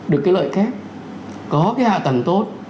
được cái lợi khác có cái hạ tầng tốt